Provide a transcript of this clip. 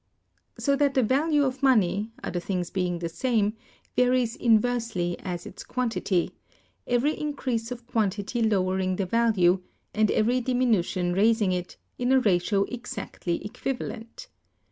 So that the value of money, other things being the same, varies inversely as its quantity; every increase of quantity lowering the value, and every diminution raising it, in a ratio exactly equivalent.